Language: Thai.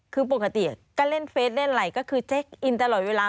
คือปกติก็เล่นเฟสเล่นอะไรก็คือเช็คอินตลอดเวลา